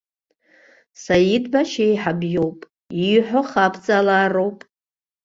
Саид башьеиҳаб иоуп, ииҳәо хабҵалароуп.